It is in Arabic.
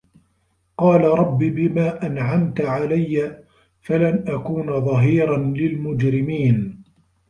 قالَ رَبِّ بِما أَنعَمتَ عَلَيَّ فَلَن أَكونَ ظَهيرًا لِلمُجرِمينَ